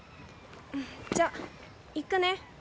じゃ行くね。